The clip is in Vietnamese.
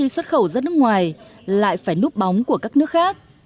xuất khẩu ra nước ngoài lại phải núp bóng của các nước khác